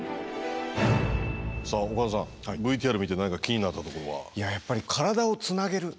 さあ岡田さんＶＴＲ見て何か気になったところは？